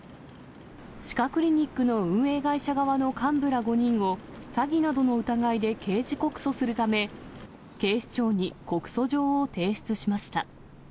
歯科クリニックの運営会社側の幹部ら５人を、詐欺などの疑いで刑事告訴するため、警視庁に告訴状を提出しました。